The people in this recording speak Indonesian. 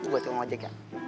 gue tukang ojek ya